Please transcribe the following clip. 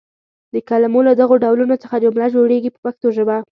د کلمو له دغو ډولونو څخه جمله جوړیږي په پښتو ژبه.